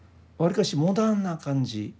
わりかしモダンな感じ